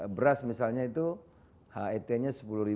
beras misalnya itu het nya sepuluh dua ratus